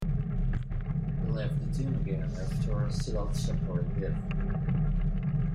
He left the team again after Zealot's apparent death.